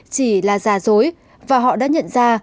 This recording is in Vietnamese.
chỉ là giả dối và họ đã nhận ra